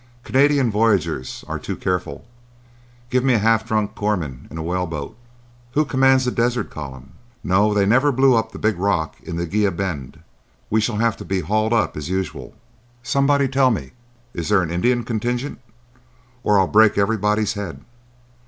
—Canadian voyageurs are too careful. Give me a half drunk Krooman in a whale boat.—Who commands the Desert column?—No, they never blew up the big rock in the Ghineh bend. We shall have to be hauled up, as usual.—Somebody tell me if there's an Indian contingent, or I'll break everybody's head.